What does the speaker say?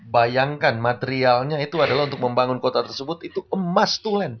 bayangkan materialnya itu adalah untuk membangun kota tersebut itu emas tulen